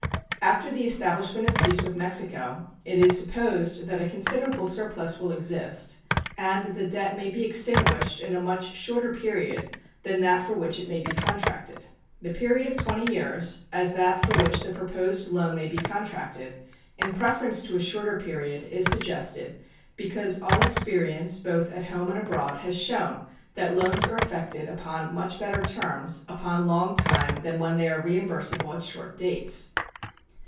After the establishment of peace with Mexico, it is supposed that a considerable surplus will exist, and that the debt may be extinguished in a much shorter period than that for which it may be contracted. The period of twenty years, as that for which the proposed loan may be contracted, in preference to a shorter period, is suggested, because all experience, both at home and abroad, has shown that loans are effected upon much better terms upon long time than when they are reimbursable at short dates.